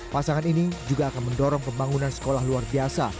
pasangan ini juga akan mendorong pembangunan sekolah luar biasa